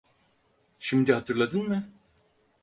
Şimdi hatırladın mı?